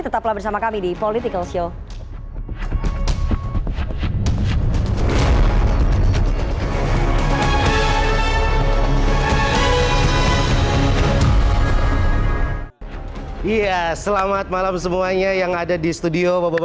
tetaplah bersama kami di political show